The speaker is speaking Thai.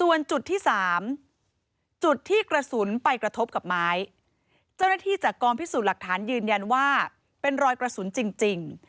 ส่วนจุดที่สามจุดที่กระสุนไปกระทบกับไม้เจ้าหน้าที่จากกองพิสูจน์หลักฐานยืนยันว่าเป็นรอยกระสุนจริง